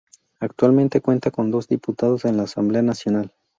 Actualmente cuenta con dos diputados en la Asamblea nacional.